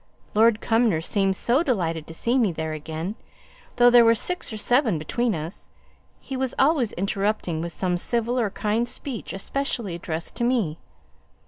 Lord Cumnor seemed so delighted to see me there again: though there were six or seven between us, he was always interrupting with some civil or kind speech especially addressed to me.